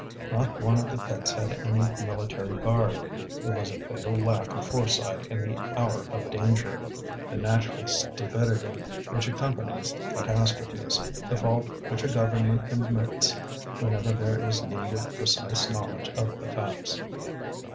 Not one of the pits had any military guard; it was a fatal lack of foresight in the hour of danger, the natural stupidity which accompanies catastrophes, the fault which a government commits whenever there is need of precise knowledge of the facts.